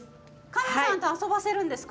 カメさんと遊ばせるんですか？